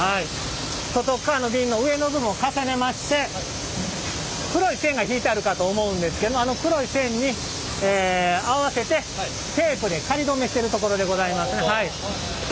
外っかわの瓶の上の部分を重ねまして黒い線が引いてあるかと思うんですけどあの黒い線に合わせてテープで仮止めしてるところでございますね。